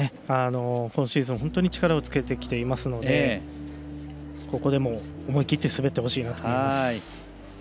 今シーズン本当に力をつけてきているのでここでも、思い切って滑ってほしいと思います。